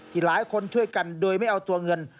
หลายคนช่วยกันโดยไม่เอาตัวเงิน